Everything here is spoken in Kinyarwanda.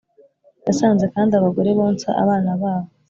Yasanze kandi abagore bonsa abana babo.